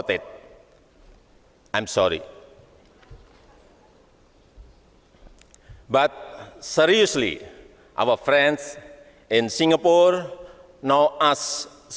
tapi seriusnya teman teman di singapura tahu kita begitu baik